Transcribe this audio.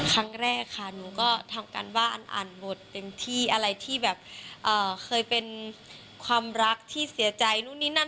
ครั้งแรกค่ะหนูก็ทำการว่าอันอ่านบทเต็มที่อะไรที่แบบเคยเป็นความรักที่เสียใจนู่นนี่นั่น